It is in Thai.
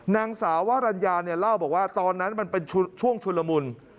นางสาววรรณญาเนี่ยเล่าบอกว่าตอนนั้นมันเป็นช่วงชุลมุน